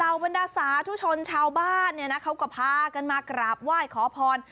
บรรดาสาธุชนชาวบ้านเนี่ยนะเขาก็พากันมากราบไหว้ขอพร